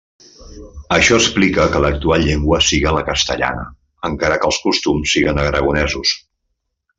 Això explica que l'actual llengua siga la castellana, encara que els costums siguen aragonesos.